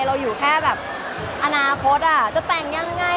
มันเป็นเรื่องน่ารักที่เวลาเจอกันเราต้องแซวอะไรอย่างเงี้ย